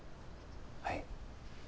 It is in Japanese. はい。